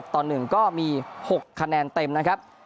ต่อ๑ก็มี๖คะแนนเต็มนะครับ